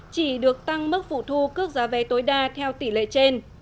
chỉ được tăng mức phụ thu cước giá vé tối đa theo tỷ lệ trên